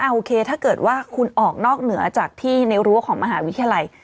โอเคถ้าเกิดว่าคุณออกนอกเหนือจากที่ในรั้วของมหาวิทยาลัย